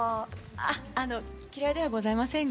ああの嫌いではございませんが。